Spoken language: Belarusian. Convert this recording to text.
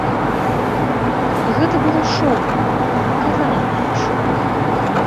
Гэта было шоу, паказальнае шоу.